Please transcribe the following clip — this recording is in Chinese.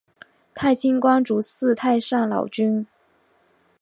太清观主祀太上老君。